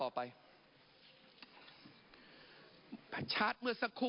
ปรับไปเท่าไหร่ทราบไหมครับ